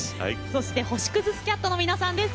そして星屑スキャットの皆さんです。